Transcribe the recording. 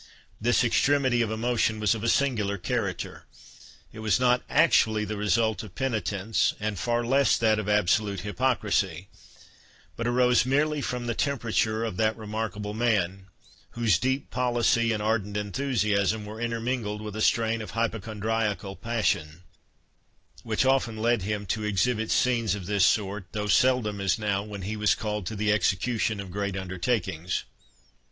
This extremity of emotion was of a singular character. It was not actually the result of penitence, and far less that of absolute hypocrisy, but arose merely from the temperature of that remarkable man, whose deep policy, and ardent enthusiasm, were intermingled with a strain of hypochondriacal passion, which often led him to exhibit scenes of this sort, though seldom, as now, when he was called to the execution of great undertakings.